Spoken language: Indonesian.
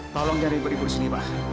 tolong jangan beribut disini pak